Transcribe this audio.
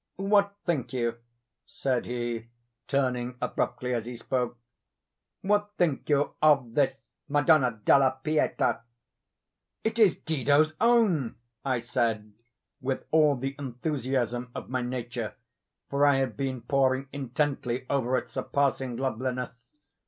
What think you," said he, turning abruptly as he spoke—"what think you of this Madonna della Pieta?" "It is Guido's own!" I said, with all the enthusiasm of my nature, for I had been poring intently over its surpassing loveliness.